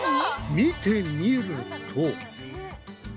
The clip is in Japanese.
見てみると。